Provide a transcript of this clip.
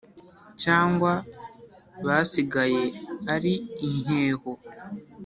cyangwa basigaye ari inkeho